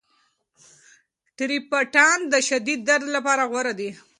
ټریپټان د شدید درد لپاره غوره دي.